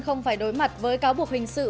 không phải đối mặt với cáo buộc hình sự